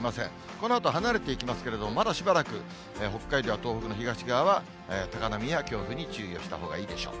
このあと離れていきますけれど、まだしばらく、北海道や東北の東側は高波や強風に注意をしたほうがいいでしょう。